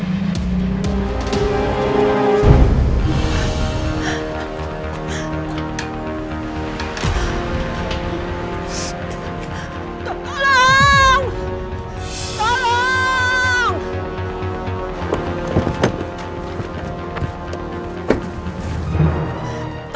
tuh tuh tuh